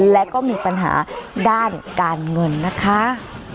และก็มีปัญหาด้านการเงินนะคะ